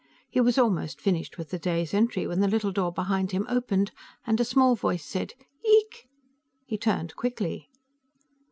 He was almost finished with the day's entry when the little door behind him opened and a small voice said, "Yeeek." He turned quickly.